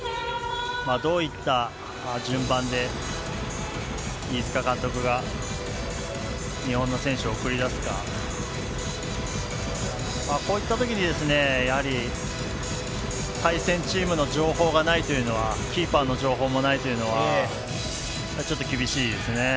どういった順番で飯塚監督が、日本の選手を送り出すか、こういったときに対戦チームの情報がないというのはキーパーの情報もないというのはちょっと厳しいですね。